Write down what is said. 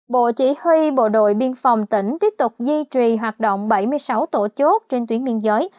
bộ chỉ huy bộ đội biên phòng tỉnh tiếp tục duy trì hoạt động bảy mươi sáu tổ chốt trên tuyến biên giới